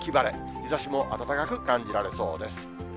日ざしも暖かく感じられそうです。